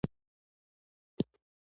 ګیلاس د یار لاس ته ګوري.